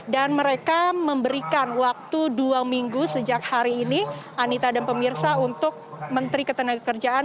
dan mereka memberikan waktu dua minggu sejak hari ini anitta dan pemirsa untuk menteri ketenagakerjaan